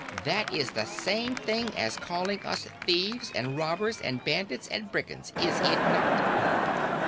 "That is the same thing as calling us thieves and robbers and bandits and brigands, is it not?"